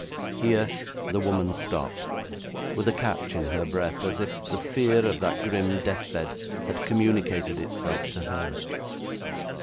Here the woman stopped, with a catch in her breath, as if the fear of that grim death bed had communicated itself to her.